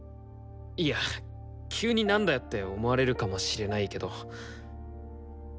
いや急になんだよって思われるかもしれないけど。